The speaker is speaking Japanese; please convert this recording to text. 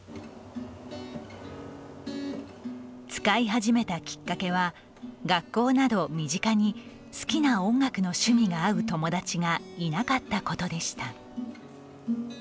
使い始めたきっかけは学校など身近に好きな音楽の趣味が合う友達がいなかったことでした。